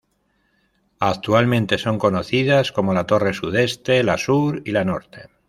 Actualmente son conocidas como la Torre Sudeste, la Sur y la Norte.